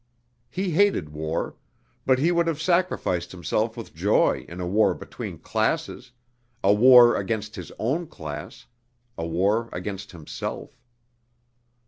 He hated war; but he would have sacrificed himself with joy in a war between classes a war against his own class, a war against himself.